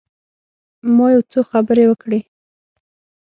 ما یو څو خبرې وکړې.